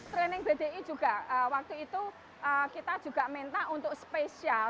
training bdi juga waktu itu kita juga minta untuk spesial